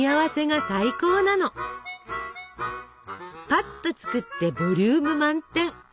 ぱっと作ってボリューム満点！